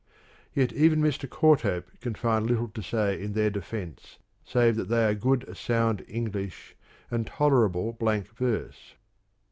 Yet even Mr. Court hope can find little to say in their defence save that they are good, sound English and tolerable blank verse.